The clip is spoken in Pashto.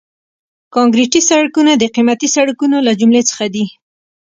کانکریټي سړکونه د قیمتي سړکونو له جملې څخه دي